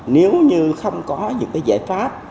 nếu như không có những cái giải pháp